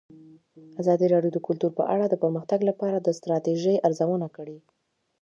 ازادي راډیو د کلتور په اړه د پرمختګ لپاره د ستراتیژۍ ارزونه کړې.